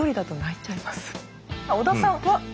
織田さんは？